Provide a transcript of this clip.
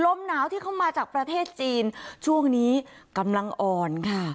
ลมหนาวที่เข้ามาจากประเทศจีนช่วงนี้กำลังอ่อนค่ะ